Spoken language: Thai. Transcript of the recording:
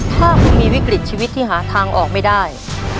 ถ้าคุณมีวิกฤตชีวิตที่หาทางออกไม่ได้